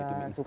lebih gak suka